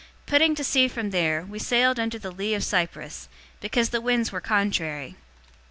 027:004 Putting to sea from there, we sailed under the lee of Cyprus, because the winds were contrary.